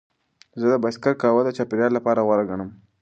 زه د بایسکل کارول د چاپیریال لپاره غوره ګڼم.